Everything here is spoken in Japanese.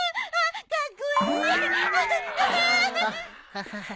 ハハハハ。